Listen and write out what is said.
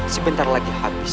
sebentar lagi habis